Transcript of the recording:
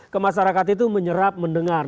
ke masyarakat itu menyerap mendengar